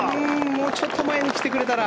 もうちょっと前に来てくれたら。